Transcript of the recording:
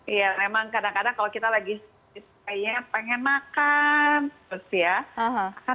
iya memang kadang kadang kalau kita lagi pengen makan terus ya